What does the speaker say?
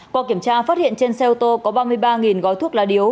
qua kiểm tra phát hiện trên xe ô tô có ba mươi ba gói thuốc lá điếu